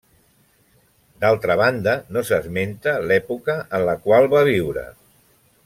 D'altra banda no s'esmenta l'època en la qual va viure.